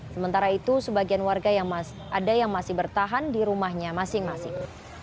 sementara itu sebagian warga yang ada yang masih bertahan di rumahnya masing masing